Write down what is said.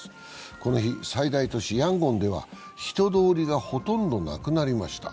この日、最大都市ヤンゴンでは人通りがほとんどなくなりました。